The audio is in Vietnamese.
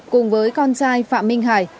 cùng với con trai phạm minh hải